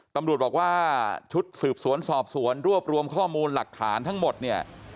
ตำรวจบอกว่าชุดสืบสวนสอบสวนรวบรวมข้อมูลหลักฐานทั้งหมดเนี่ย